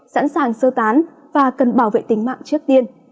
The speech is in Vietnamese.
sẵn sàng sơ tán và cần bảo vệ tính mạng trước tiên